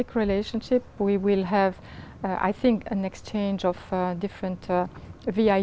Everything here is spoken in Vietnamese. có thể thay đổi